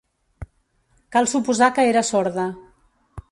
Cal suposar que era sorda